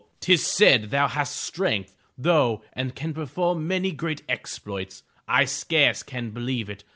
Tis said thou hast strength, though, and can perform many great exploits! I scarce can believe it!